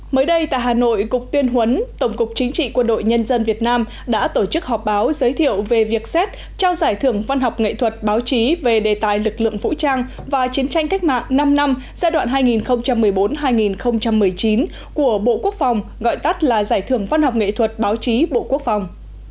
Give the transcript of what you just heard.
mới đây tại hà nội cục tuyên huấn tổng cục chính trị quân đội nhân dân việt nam đã tổ chức họp báo giới thiệu về việc xét trao giải thưởng văn học nghệ thuật báo chí về đề tài lực lượng vũ trang và chiến tranh cách mạng năm năm giai đoạn hai nghìn một mươi bốn hai nghìn một mươi chín của bộ quốc phòng gọi tắt là giải thưởng văn học nghệ thuật báo chí bộ quốc phòng